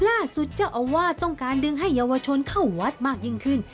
ล่าสุดเจ้าอาวาสต้องการดึงให้เยาวชนเข้าวัดมากยิ่งขึ้น